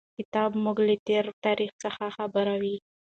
کتاب موږ له تېر تاریخ څخه خبروي.